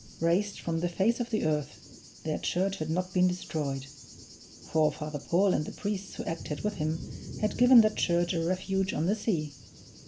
Razed from the face of the earth, their church had not been destroyed for Father Paul and the priests who acted with him had given that church a refuge on the sea.